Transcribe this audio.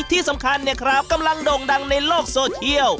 ที่สำคัญเนี่ยครับกำลังโด่งดังในโลกโซเชียล